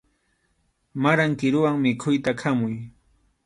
Maran kiruwan mikhuyta khamuy.